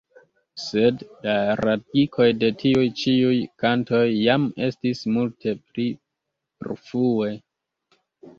Sed la radikoj de tiuj ĉiuj kantoj jam estis multe pli rfue.